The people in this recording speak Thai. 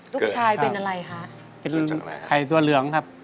ลูกชายเป็นอะไรคะเป็นไข่ตัวเหลืองครับ